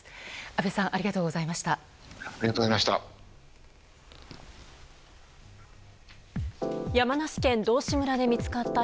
安倍さんありがとうございました。